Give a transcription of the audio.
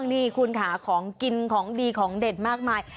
นี่คุณค่ะของกินของดีของเด็ดมากมาย